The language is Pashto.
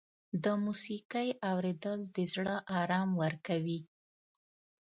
د موسیقۍ اورېدل د زړه آرام ورکوي.